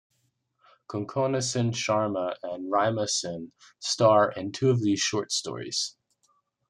Konkona Sen Sharma and Raima Sen star in two of these short stories.